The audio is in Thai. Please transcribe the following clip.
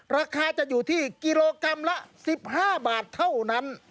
ราคาจะอยู่ที่กิโลกรัมละ๑๕บาทเท่านั้น